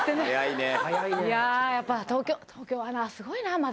いやあやっぱ東京東京はなすごいなまだ。